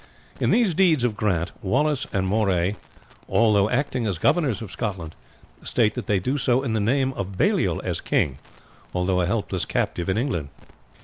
In these deeds of grant Wallace and Moray, although acting as governors of Scotland, state that they do so in the name of Baliol as king, although a helpless captive in England.